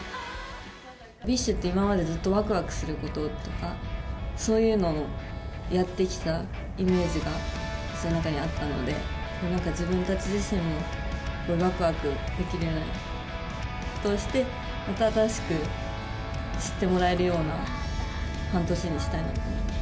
ＢｉＳＨって、今までずっとわくわくすることとか、そういうのをやってきたイメージが私の中にあったので、なんか自分たち自身もわくわくできるようなことをして、また新しく知ってもらえるような半年にしたいなと思います。